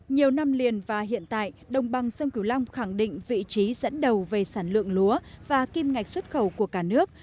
nhiều năm liền và hiện tại đồng bằng sông cửu long khẳng định vị trí dẫn đầu về sản lượng lúa và kim ngạch xuất khẩu của cả nước